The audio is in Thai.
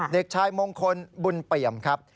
เด็กชายมงคลบุญเปี่ยมครับ